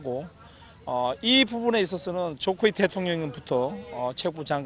dan di sini dari presiden jokowi dari presiden ketua pertanian